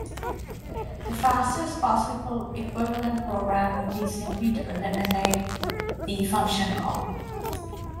The fastest possible equivalent program would be simply to eliminate the function call.